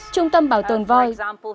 trung tâm bảo tồn voi